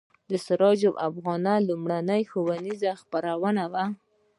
سراج الاخبار لومړنۍ ښوونیزه خپرونه وه.